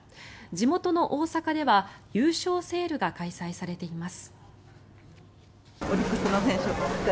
地元の大阪では優勝セールが開催されています。